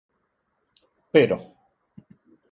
Pero